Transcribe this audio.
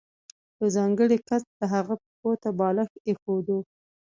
یو ځانګړی کس د هغه پښو ته بالښت ایښوده.